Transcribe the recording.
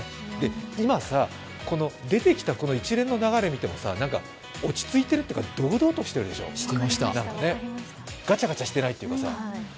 今さ、出てきた一連の流れを見てもさ、落ち着いているというか堂々としてるでしょ、ガチャガチャしてないっていうか。